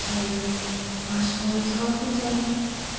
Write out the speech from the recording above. say you. I swan it's hard to tell!